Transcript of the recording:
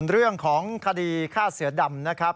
เรื่องของคดีฆ่าเสือดำนะครับ